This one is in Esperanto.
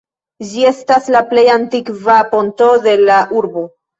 Ĝi estas la plej antikva ponto de la urbo.